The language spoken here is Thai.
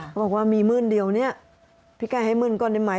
เขาบอกว่ามีมื้นเดียวเนี่ยพี่ไก่ให้มื้นก่อนได้ไหม